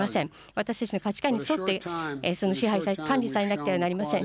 私たちの価値観に沿ってその支配、管理されなくてはなりません。